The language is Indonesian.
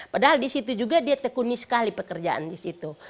padahal disitu juga dia tekuni sekali pekerjaan disitu